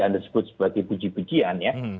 anda sebut sebagai puji pujian ya